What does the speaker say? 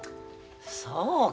そうか。